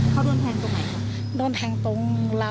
เขาโดนแทงตรงไหนครับ